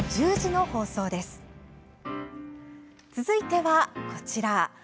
続いては、こちら。